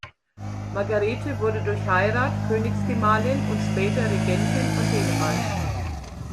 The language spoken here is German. Margarete wurde durch Heirat Königsgemahlin und später Regentin von Dänemark.